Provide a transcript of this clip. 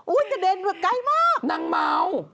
อุ๊ยกระเด็นไว้ไกลมากนั่งเมา